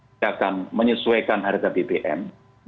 tidak akan menyesuaikan harga bbm